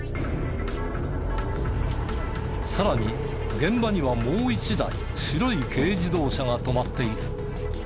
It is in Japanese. さらに現場にはもう一台白い軽自動車が止まっている。